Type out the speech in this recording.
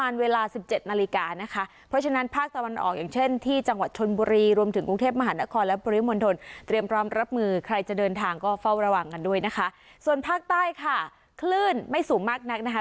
อย่างเช่นที่จังหวัดชนบุรีรวมถึงกรุงเทพมหานครและปุริมนทรเตรียมรอบรับมือใครจะเดินทางก็เฝ้าระวังกันด้วยนะคะส่วนภาคใต้ค่ะคลื่นไม่สูงมากนักนะคะ